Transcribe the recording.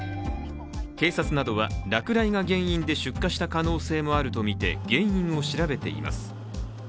警察などは落雷が原因で出火した可能性もあると見て原因を調べています。